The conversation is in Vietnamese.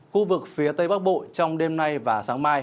khu vực phía tây bắc bộ trong đêm nay và sáng mai